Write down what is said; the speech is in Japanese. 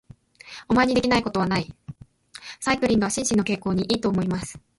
サイクリングは心身の健康に良いと思います。